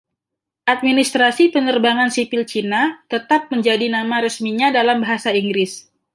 Administrasi Penerbangan Sipil Cina tetap menjadi nama resminya dalam Bahasa Inggris.